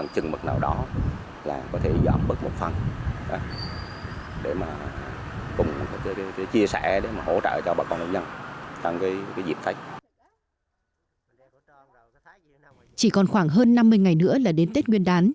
chỉ còn khoảng hơn năm mươi ngày nữa là đến tết nguyên đán